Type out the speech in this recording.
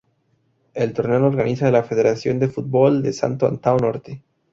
El torneo lo organiza la federación de fútbol de Santo Antão Norte.